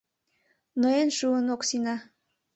Ноен шуын Оксина.